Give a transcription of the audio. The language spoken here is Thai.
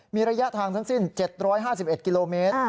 มีระยะทางทั้งสิ้น๗๕๑กิโลเมตร